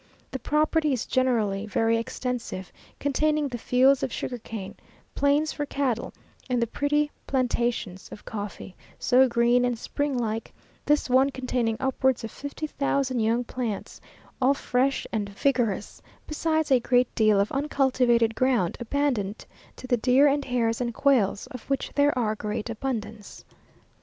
The property is generally very extensive, containing the fields of sugar cane, plains for cattle, and the pretty plantations of coffee, so green and spring like, this one containing upwards of fifty thousand young plants, all fresh and vigorous, besides a great deal of uncultivated ground, abandoned to the deer and hares and quails, of which there are great abundance.